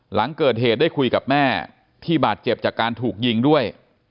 หลังเกิดเหตุได้คุยกับแม่ที่บาดเจ็บจากการถูกยิงด้วย